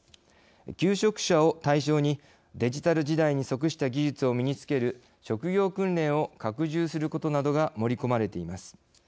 求職者を対象にデジタル時代に即した技術を身につける職業訓練を拡充することなどが盛り込まれています。